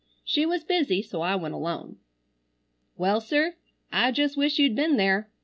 She was busy so I went alone. "Well sir, I jest wish you'd been there.